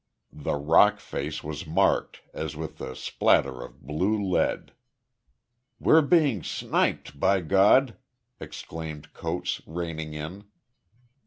The rock face was marked as with the splatter of blue lead. "We're being sniped, by God?" exclaimed Coates, reining in.